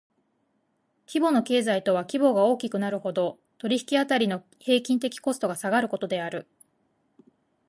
規模の経済とは規模が大きくなるほど、取引辺りの平均的コストが下がることである。